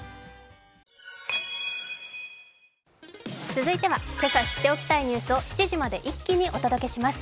続いては今朝知っておきたいニュースを７時まで一気にお伝えします。